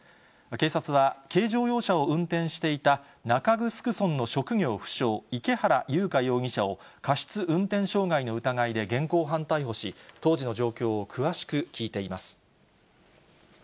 警察は、軽乗用車を運転していた中城村の職業不詳、池原優香容疑者を過失運転傷害の疑いで現行犯逮捕し、当時の状況を詳しく聴いています。